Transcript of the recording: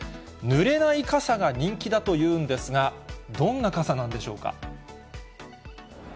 ぬれない傘が人気だというんですが、どんな傘なんでしょうか。